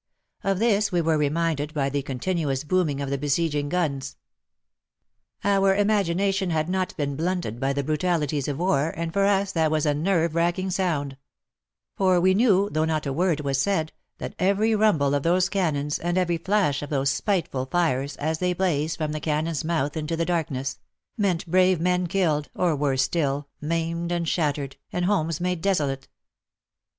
Of this we were reminded by the continuous booming of the besieging guns. Our imagination had not been blunted by the brutalities of war, and for us that was a nerve racking sound ; for we knew, though not a word was said, that every rumble of those cannons and every flash of those spiteful fires as they blazed from the cannon's mouth into the darkness, meant brave men killed, or worse still, maimed and shattered, and homes made desolate.